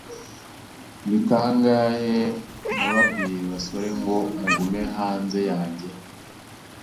Ni kangahe nababwiye basore ngo mugume hanze yanjye?